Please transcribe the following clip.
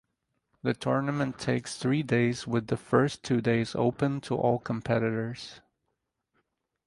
The tournament takes three days with the first two days open to all competitors.